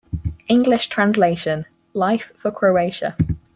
English translation: "Life for Croatia"